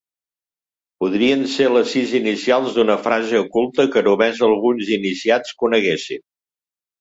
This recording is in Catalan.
Podrien ser les sis inicials d'una frase oculta que només alguns iniciats coneguessin.